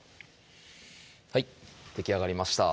はいできあがりました